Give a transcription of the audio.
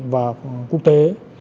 và quốc tế